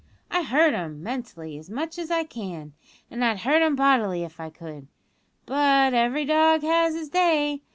I hurt 'em, mentally, as much as I can, an' I'd hurt 'em bodily if I could. But every dog has his day.